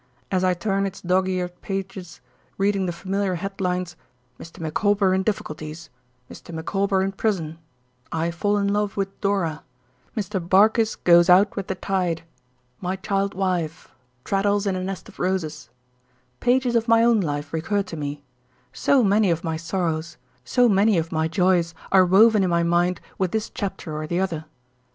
As I turn its dog eared pages, reading the familiar headlines "Mr. Micawber in difficulties," "Mr. Micawber in prison," "I fall in love with Dora," "Mr. Barkis goes out with the tide," "My child wife," "Traddles in a nest of roses"—pages of my own life recur to me; so many of my sorrows, so many of my joys are woven in my mind with this chapter or the other.